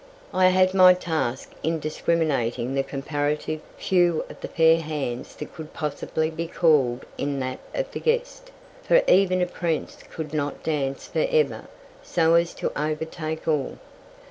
I had my task in discriminating the comparative few of the fair hands that could possibly be placed in that of the guest, for even a prince could not dance for ever, so as to overtake all.